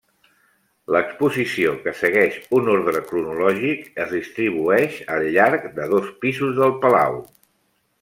L'exposició, que segueix un ordre cronològic, es distribueix al llarg de dos pisos del palau.